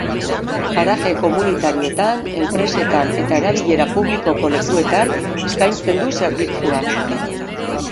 Garaje komunitarioetan, enpresetan eta erabilera publikoko lekuetan eskaintzen du zerbitzua.